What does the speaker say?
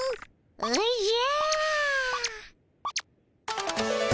おじゃ！